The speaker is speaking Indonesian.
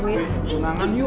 dwi tunangan yuk